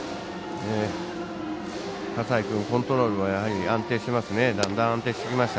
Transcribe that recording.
葛西君、コントロールはだんだん安定してきました。